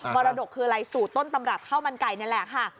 มรดกคืออะไรสูตรต้นตำรับข้าวมันไก่นี่แหละค่ะ